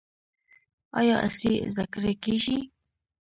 آیا عصري زده کړې کیږي؟